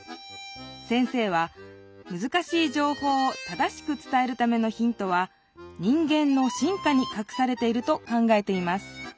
先生はむずかしいじょうほうを正しく伝えるためのヒントは人間の進化にかくされていると考えています